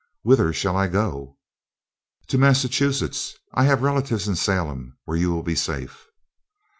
"Whither shall I go?" "To Massachusetts. I have relatives in Salem, where you will be safe."